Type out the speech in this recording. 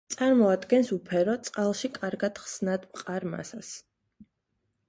წარმოადგენს უფერო, წყალში კარგად ხსნად მყარ მასას.